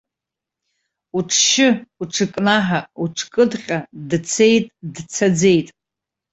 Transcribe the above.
Уҽшьы, уҽыкнаҳа, уҽкыдҟьа дцеит, дцаӡеит.